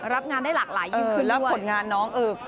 รับงานได้หลากหลายยิ่งขึ้นด้วย